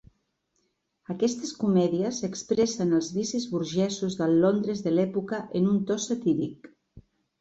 Aquestes comèdies expressen els vicis burgesos del Londres de l'època en un to satíric.